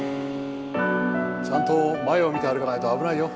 ちゃんと前を見て歩かないと危ないよ